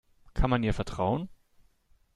Kann man ihr vertrauen?